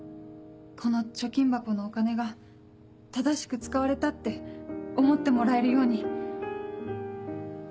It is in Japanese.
この貯金箱のお金が正しく使われたって思ってもらえるように。